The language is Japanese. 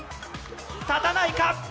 立たないか。